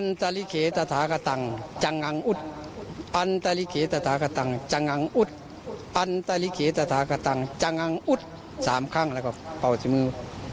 อันตริเขตภาคตังค์จังงอุดอันตริเขตภาคตังค์จังงอุดอันตริเขตภาคตังค์จังงอุดสามข้างแล้วก็เป่าที่มือ